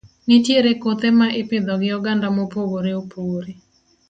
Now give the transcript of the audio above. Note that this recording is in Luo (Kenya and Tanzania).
Nitiere kothe ma ipidho gi oganda mopogore opogore.